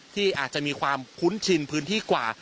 ที่อาจจะมีความคุ้นชินพื้นที่กว่า